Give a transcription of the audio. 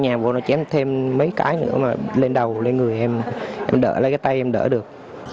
nhảy bộ nó chém thêm mấy cái nữa mà lên đầu lên người em đỡ lấy cái tay em đỡ được